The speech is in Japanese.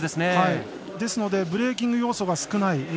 ですので、ブレーキング要素が少ない。